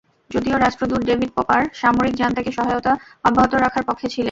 যদিও রাষ্ট্রদূত David Popper সামরিক জান্তাকে সহায়তা অব্যাহত রাখার পক্ষে ছিলেন।